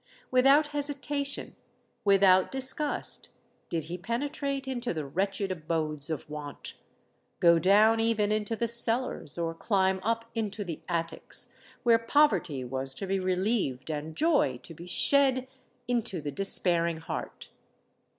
Without hesitation—without disgust, did he penetrate into the wretched abodes of want—go down even into the cellars, or climb up into the attics, where poverty was to be relieved and joy to be shed into the despairing heart.